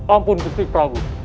ampun putri pragu